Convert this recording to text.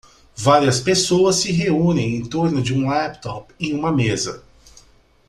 Várias pessoas se reúnem em torno de um laptop em uma mesa.